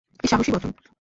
কী সাহসী বচন!